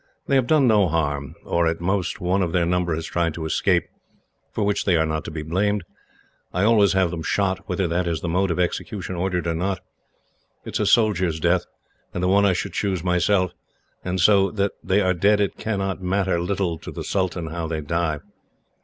They have done no harm, or, at most, one of their number has tried to escape, for which they are not to be blamed. I always have them shot, whether that is the mode of execution ordered or not. It is a soldier's death, and the one I should choose myself, and so that they are dead it can matter little to the sultan how they die.